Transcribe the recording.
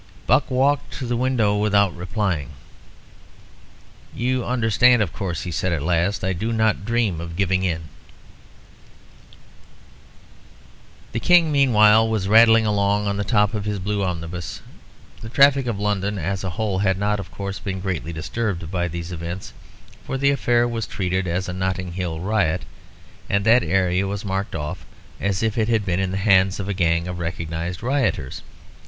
Buck walked to the window without replying. "You understand, of course," he said at last, "I do not dream of giving in." The King, meanwhile, was rattling along on the top of his blue omnibus. The traffic of London as a whole had not, of course, been greatly disturbed by these events, for the affair was treated as a Notting Hill riot, and that area was marked off as if it had been in the hands of a gang of recognised rioters.